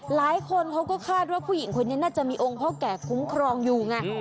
หลายคนเขาก็คาดว่าผู้หญิงคนนี้น่าจะมีองค์พ่อแก่คุ้มครองอยู่ไง